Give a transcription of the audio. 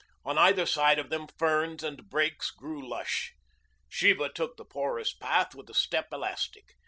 On either side of them ferns and brakes grew lush. Sheba took the porous path with a step elastic.